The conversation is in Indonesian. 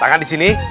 tangan di sini